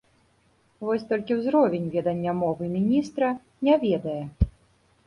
Вось толькі ўзровень ведання мовы міністра не ведае.